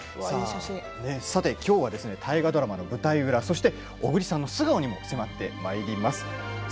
さてきょうは大河ドラマの舞台裏そして小栗さんの素顔にも迫ってまいります。